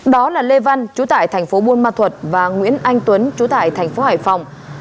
đó là lê văn chú tải tp buôn ma thuật và nguyễn anh tuấn chú tải tp hải phòng